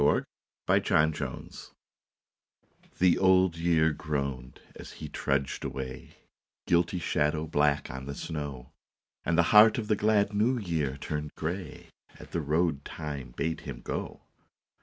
BLOOD ROAD THE Old Year groaned as he trudged away, His guilty shadow black on the snow, And the heart of the glad New Year turned grey At the road Time bade him go.